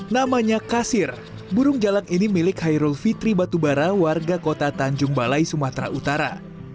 namanya kasir burung jalak ini milik hairul fitri batubara warga kota tanjung balai sumatera utara